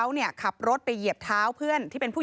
เหยียบอะไรหยียบอะไรล่ะ